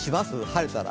晴れたら。